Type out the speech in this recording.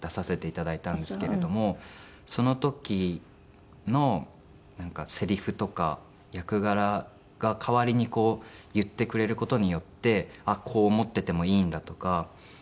その時のセリフとか役柄が代わりにこう言ってくれる事によってあっこう思っていてもいいんだとか